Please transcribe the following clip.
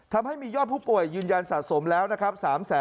ทำให้มียอดผู้ป่วยยืนยันสะสมแล้วนะครับ